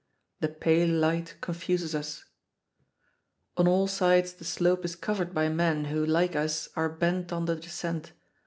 The pale light confuses us. On all sides the slope is covered by men who, like us, are bent on the descent.